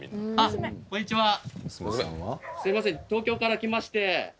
すいません東京から来まして。